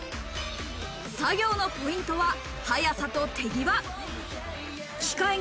作業のポイントは速さと手際。